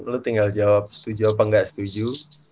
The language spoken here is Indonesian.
lu tinggal jawab setuju apa nggak setuju